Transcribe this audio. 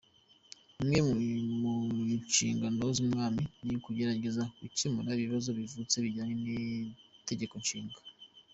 Imwe mu nshingano z'umwami, ni ukugerageza gucyemura ibibazo bivutse bijyanye n'itegekonshinga.